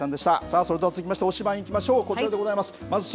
さあ、それでは続きまして推しバン！いきましょう。